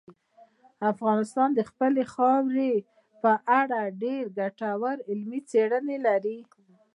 افغانستان د خپلې خاورې په اړه ډېرې ګټورې علمي څېړنې لري.